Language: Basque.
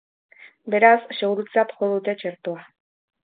Beraz, segurutzat jo dute txertoa.